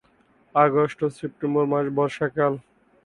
August ও September মাস বর্ষাকাল।